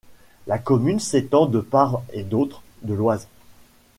La commune s'étend de part et d'autre de l'Oise.